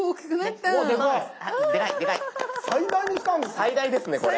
最大ですねこれ。